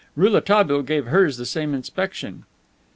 Rouletabille gave hers the same inspection.